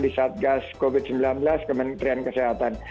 di satgas covid sembilan belas kementerian kesehatan